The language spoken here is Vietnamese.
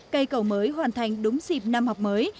cây cầu mới hoàn thành đúng dịp năm học mới